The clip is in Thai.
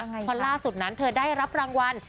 เพราะล่าสุดนั้นเธอได้รับรางวัล